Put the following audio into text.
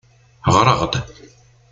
Ɣer-aɣ-d.